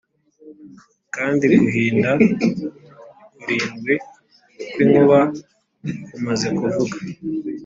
Kandi guhinda kurindwi kw’inkuba kumaze kuvuga,